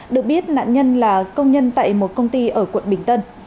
được biết nạn nhân là công nhân tại một công ty ở quận bình tân